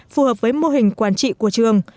phù hợp với mô hình quản trị của trường